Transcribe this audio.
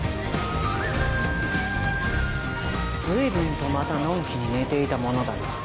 随分とまたのんきに寝ていたものだな。